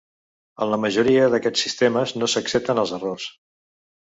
En la majoria d'aquests sistemes, no s'accepten els errors.